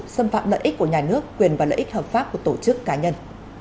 xâm phạm lợi ích của nhà nước quyền và lợi ích hợp pháp của tổ chức cá nhân